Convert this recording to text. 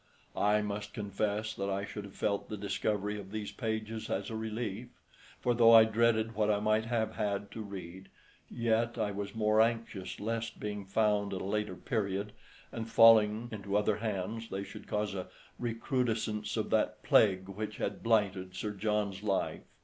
I must confess that I should have felt the discovery of these pages as a relief; for though I dreaded what I might have had to read, yet I was more anxious lest, being found at a later period and falling into other hands, they should cause a recrudescence of that plague which had blighted Sir John's life.